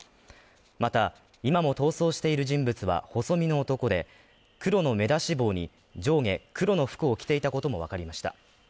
また、今も逃走している人物は細身の男で、黒の目出し帽に上下黒の服を着ていたこともわかりました。